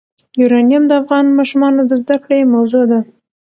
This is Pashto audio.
یورانیم د افغان ماشومانو د زده کړې موضوع ده.